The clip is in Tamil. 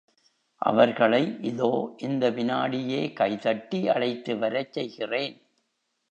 அவர்களை இதோ இந்த விநாடியே கைதட்டி அழைத்துவரச் செய்கிறேன்!